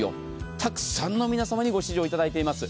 たくさんの皆様にご支持をいただいています。